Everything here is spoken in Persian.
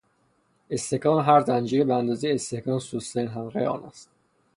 استحکام هر زنجیر به اندازهی استحکام سستترین حلقهی آن است.